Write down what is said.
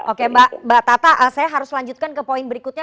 oke mbak tata saya harus lanjutkan ke poin berikutnya